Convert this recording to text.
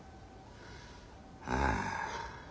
ああ。